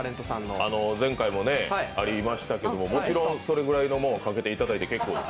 前回もありましたけど、もちろんそれくらいのもん賭けていただいて結構です。